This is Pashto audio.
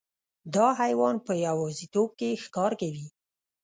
دا حیوان په یوازیتوب کې ښکار کوي.